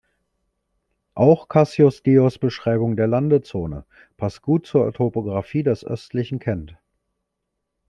Auch Cassius Dios Beschreibung der Landezone passt gut zur Topographie des östlichen Kent.